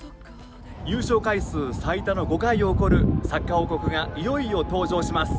優勝回数最多の５回を誇るサッカー王国が、いよいよ登場します。